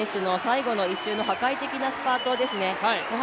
ハッサンの最後の１周の破壊的なスピードですね。